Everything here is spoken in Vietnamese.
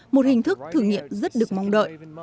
một hình thức thử nghiệm rất được mong đợi